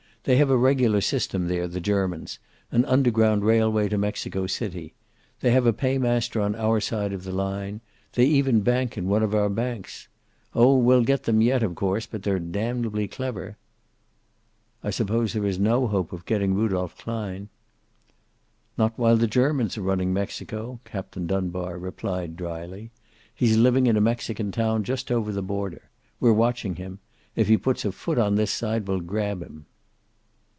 They have a regular system there, the Germans an underground railway to Mexico City. They have a paymaster on our side of the line. They even bank in one of our banks! Oh, we'll get them yet, of course, but they're damnably clever." "I suppose there is no hope of getting Rudolph Klein?" "Not while the Germans are running Mexico," Captain Dunbar replied, dryly. "He's living in a Mexican town just over the border. We're watching him. If he puts a foot on this side we'll grab him."